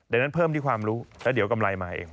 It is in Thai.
ดังนั้นเพิ่มที่ความรู้แล้วเดี๋ยวกำไรมาเอง